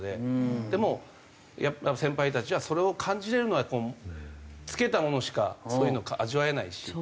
でも先輩たちはそれを感じられるのはつけたものしかそういうのを味わえないし。